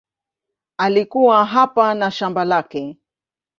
Alikuwa hapa na shamba lake.